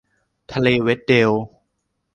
ทะเลเวดเดล